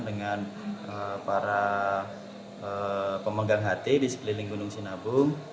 dengan para pemegang ht di sekeliling gunung sinabung